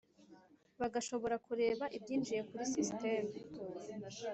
Bagashobora kureba ibyinjiye kuri system